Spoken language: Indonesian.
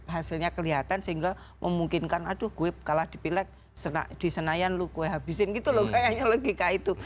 hasilnya kelihatan sehingga memungkinkan aduh gue kalah di pileg di senayan lo gue habisin gitu loh kayaknya logika itu